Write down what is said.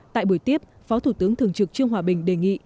tại buổi tiếp phó thủ tướng thường trực trương hòa bình đề nghị